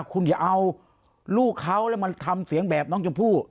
คุณอย่าเอาลูกเขาแล้วมันทำเสียงแบบน้องชมพู่